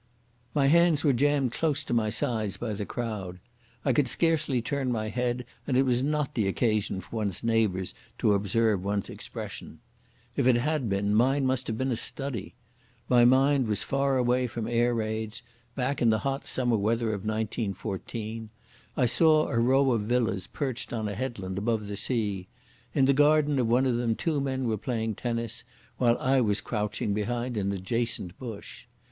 My hands were jammed close to my sides by the crowd; I could scarcely turn my head, and it was not the occasion for one's neighbours to observe one's expression. If it had been, mine must have been a study. My mind was far away from air raids, back in the hot summer weather of 1914. I saw a row of villas perched on a headland above the sea. In the garden of one of them two men were playing tennis, while I was crouching behind an adjacent bush.